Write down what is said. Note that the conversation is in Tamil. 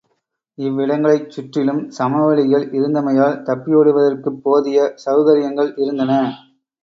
இவ்விடங்களைச் சுற்றிலும் சமவெளிகள் இருந்தமையால் தப்பியோடுவதற்குப் போதிய செளகரியங்கள் இருந்தன.